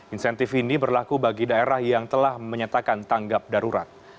insentif ini berlaku bagi daerah yang telah menyatakan tanggap darurat